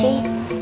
oke makasih bu